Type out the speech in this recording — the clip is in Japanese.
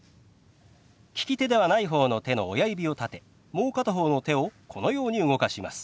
利き手ではない方の手の親指を立てもう片方の手をこのように動かします。